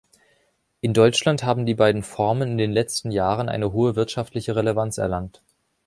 In Deutschland haben beiden Formen in den letzten Jahren eine hohe wirtschaftliche Relevanz erlangt.